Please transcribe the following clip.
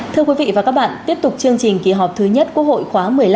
thưa quý vị và các bạn tiếp tục chương trình kỳ họp thứ nhất quốc hội khóa một mươi năm